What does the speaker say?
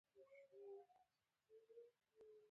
بېوزله هېوادونه د رهبرانو ناپوهۍ له امله اخته شوي دي.